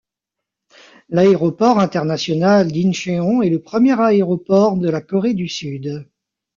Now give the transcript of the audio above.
L'aéroport international d'Incheon est le premier aéroport de la Corée du Sud.